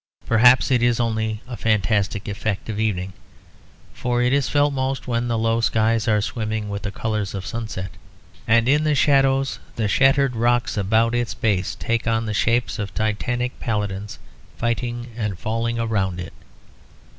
Perhaps it is only a fantastic effect of evening, for it is felt most when the low skies are swimming with the colours of sunset, and in the shadows the shattered rocks about its base take on the shapes of titanic paladins fighting and falling around it.